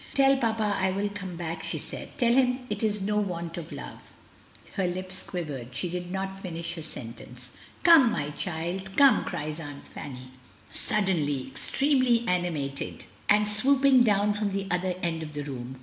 "Tell papa I will come back," she said; "tell him it is no want of love." Her lips quivered; she did not finish her sentence. "Come, my child, come," cries Aunt Fanny, sud Mrs, Dymond, I. 1 5 226 MRS. DYMOND. denly, extremely animated, and swooping down from the other end of the room.